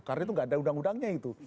karena itu gak ada undang undangnya itu